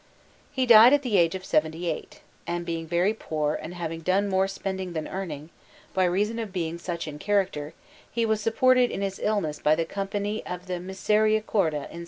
He died at the age of seventy eight, and being very poor and having done more spending than earning, by reason of being such in character, he was supported in his illness by the Company of the Misericordia in S.